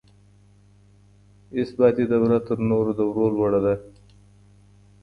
اثباتي دوره تر نورو دورو لوړه ده.